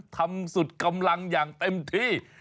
ทำสุดกำลังอย่างเต็มที่